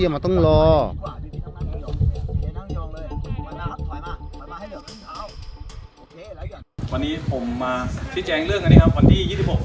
วันนี้ผมมาพิจารณ์เรื่องภาพวันที่๒๖